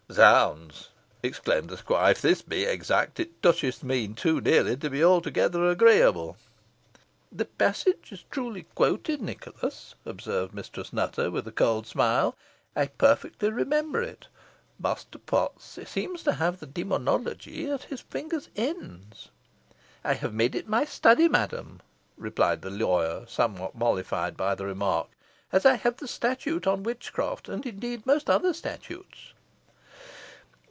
"Zounds!" exclaimed the squire, "if this be exact, it toucheth me too nearly to be altogether agreeable." "The passage is truly quoted, Nicholas," observed Mistress Nutter, with a cold smile. "I perfectly remember it. Master Potts seems to have the 'Dæmonologie' at his fingers' ends." "I have made it my study, madam," replied the lawyer, somewhat mollified by the remark, "as I have the statute on witchcraft, and indeed most other statutes."